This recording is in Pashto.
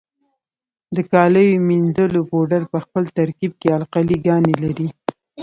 د کالیو منیځلو پوډر په خپل ترکیب کې القلي ګانې لري.